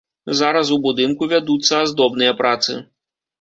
Зараз у будынку вядуцца аздобныя працы.